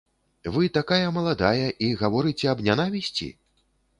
Вы такая маладая і гаворыце аб нянавісці?